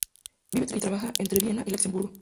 Vive y trabaja entre Viena y Luxemburgo.